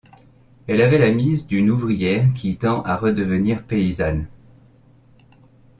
Elle avait la mise d’une ouvrière qui tend à redevenir paysanne.